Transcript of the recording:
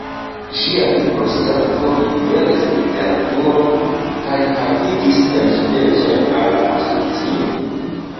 Ĝia Libro-Servo liveris literaturon kaj havigis enspezojn al la asocio.